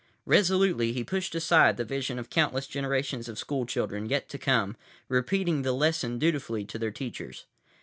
Resolutely he pushed aside the vision of countless generations of school children, yet to come, repeating the lesson dutifully to their teachers.